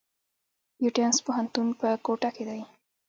بيوټمز پوهنتون په کوټه کښي دی.